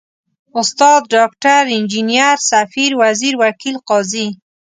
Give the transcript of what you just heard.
استاد، ډاکټر، انجنیر، ، سفیر، وزیر، وکیل، قاضي ...